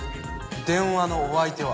電話のお相手は？